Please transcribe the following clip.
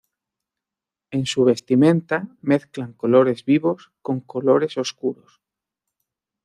En su vestimenta mezclan colores vivos con colores oscuros.